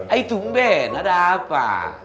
aitu ben ada apa